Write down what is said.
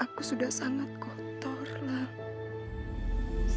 aku sudah sangat kotor lah